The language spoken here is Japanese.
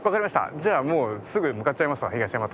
じゃあもうすぐ向かっちゃいますわ東大和のほうに。